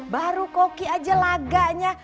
baru koki aja laganya